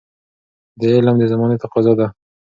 د علم Acquisition د زمانې تقاضا ده.